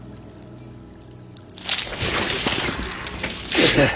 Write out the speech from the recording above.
くっ！